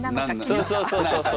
そうそうそうそう。